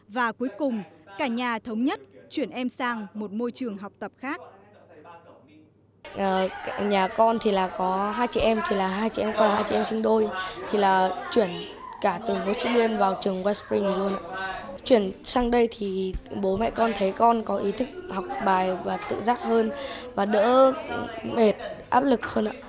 và cuối cùng cả nhà thống nhất chuyển em sang một môi trường học tập khác